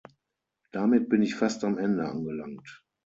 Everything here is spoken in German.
Damit bin ich fast am Ende angelangt.